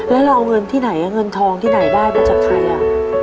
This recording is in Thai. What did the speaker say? แล้วเราเอาเงินที่ไหนเงินทองที่ไหนได้มาจากใครอ่ะ